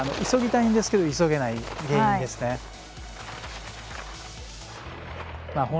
急ぎたいんですけど急げない原因ですね、これが。